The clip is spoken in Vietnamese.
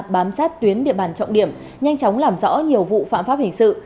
bám sát tuyến địa bàn trọng điểm nhanh chóng làm rõ nhiều vụ phạm pháp hình sự